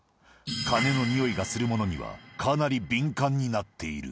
金のにおいがするものには、かなり敏感になっている。